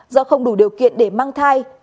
do không đủ điều kiện để mang thai